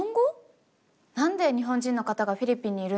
何で日本人の方がフィリピンにいるんですか？